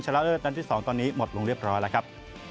ละเลิศนัดที่๒ตอนนี้หมดลงเรียบร้อยแล้วครับ